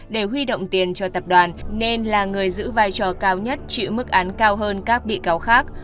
để huy động tiền cho tập đoàn nên là người giữ vai trò cao nhất chịu mức án cao hơn các bị cáo khác